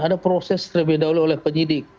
ada proses terbeda oleh penyidik